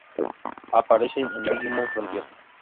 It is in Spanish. Aparece en Digimon Frontier.